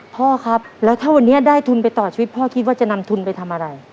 พ่อครับแล้วถ้าวันนี้ได้ทุนไปต่อชีวิตพ่อคิดว่าจะนำทุนไปทำอะไร